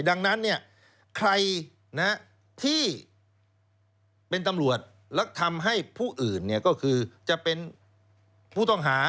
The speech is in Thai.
ดังนั้นใครที่เป็นตำรวจแล้วทำให้ผู้อื่นก็คือจะเป็นผู้ต้องหา